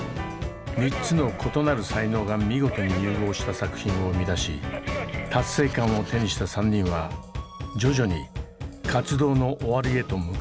３つの異なる才能が見事に融合した作品を生み出し達成感を手にした３人は徐々に活動の終わりへと向かい始めます。